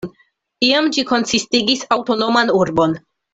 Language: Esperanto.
Iam ĝi konsistigis aŭtonoman urbon.